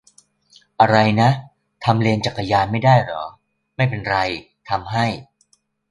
อะไรนะ ? ทำเลนจักรยานไม่ได้เหรอ ? ไม่เป็นไร ทำให้